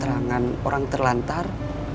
kurangnya ada perangkan orang terlantar